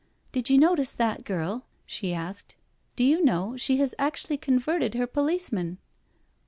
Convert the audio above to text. " Did you notice that girl?" she asked. " Do you know, she has actually converted her police man."